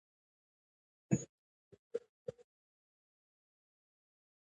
په نري تار مي تړلې یارانه ده